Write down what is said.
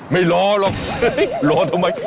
ไม่รอหรอกรอทำไม